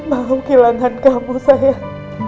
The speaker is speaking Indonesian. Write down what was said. rafa rafa aku kehilangan kamu sayang